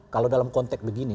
kalau dalam konteks begini